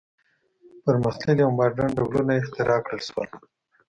پرمختللي او ماډرن ډولونه یې اختراع کړل شول.